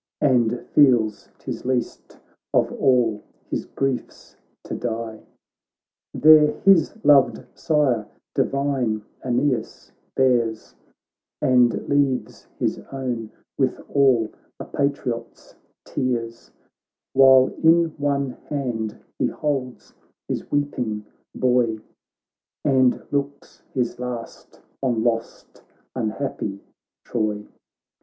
And feels 'tis least of all his griefs to die : There his loved sire, divine Aeneas, bears, And leaves his own with all a patriot's tears ; While in one hand he holds his weeping boy. And looks his last on lost unhappy Troy.